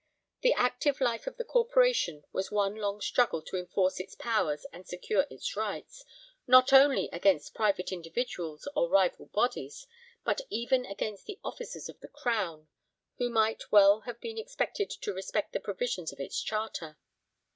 The active life of the Corporation was one long struggle to enforce its powers and secure its rights, not only against private individuals or rival bodies, but even against the Officers of the Crown, who might well have been expected to respect the provisions of its charter.